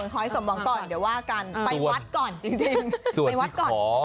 ทำเป็นการไปวัดนะคะ